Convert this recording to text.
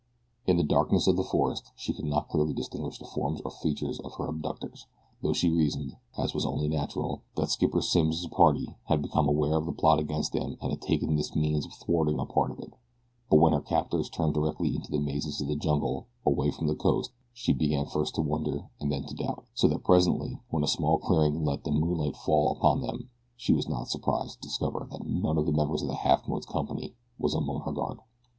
In the darkness of the forest she could not clearly distinguish the forms or features of her abductors, though she reasoned, as was only natural, that Skipper Simms' party had become aware of the plot against them and had taken this means of thwarting a part of it; but when her captors turned directly into the mazes of the jungle, away from the coast, she began first to wonder and then to doubt, so that presently when a small clearing let the moonlight full upon them she was not surprised to discover that none of the members of the Halfmoon's company was among her guard.